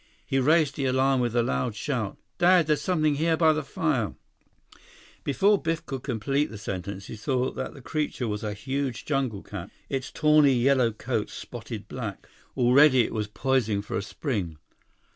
He raised the alarm with a loud shout: "Dad! There's something here by the fire—" Before Biff could complete the sentence, he saw that the creature was a huge jungle cat, its tawny yellow coat spotted black. Already, it was poising for a spring.